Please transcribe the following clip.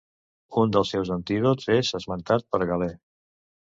Un dels seus antídots és esmentat per Galè.